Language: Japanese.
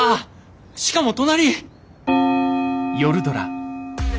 しかも隣！